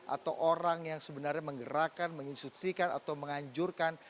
atau orang yang sebenarnya menggerakkan menginstruksikan atau menganjurkan